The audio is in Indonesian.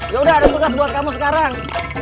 yaudah ada tugas buat kamu sekarang